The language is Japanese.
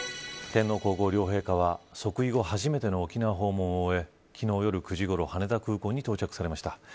天皇皇后両陛下は即位後初めての沖縄訪問を終え昨日、夜９時ごろ羽田空港に到着されました。